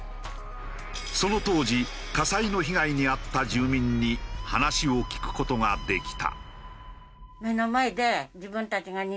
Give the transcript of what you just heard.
その当時火災の被害に遭った住民に話を聞く事ができた。